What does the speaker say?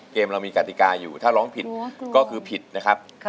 เกมเรามีกฎิกาอยู่ถ้าร้องผิดก็คือผิดนะครับ